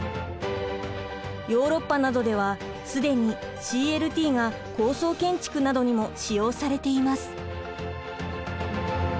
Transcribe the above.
ヨーロッパなどでは既にＣＬＴが高層建築などにも使用されています。